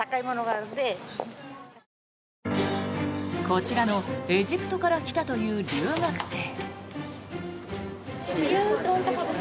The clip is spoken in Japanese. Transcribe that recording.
こちらのエジプトから来たという留学生。